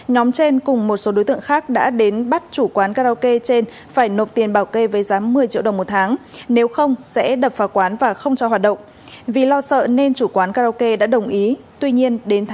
nhóm trên một số đối tượng khác đã đến bắt nhóm trên một số đối tượng khác đã đến bắt